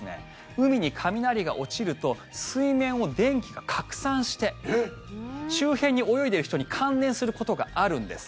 海に雷が落ちると水面を電気が拡散して周辺に泳いでる人に感電することがあるんです。